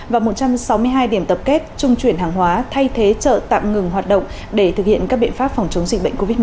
và một trăm sáu mươi hai điểm tập kết trung chuyển hàng hóa thay thế chợ tạm ngừng hoạt động để thực hiện các biện pháp phòng chống dịch bệnh covid một mươi chín